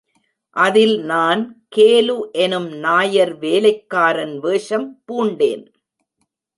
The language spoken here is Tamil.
அதில் நான் கேலு எனும் நாயர் வேலைக்காரன் வேஷம் பூண்டேன்.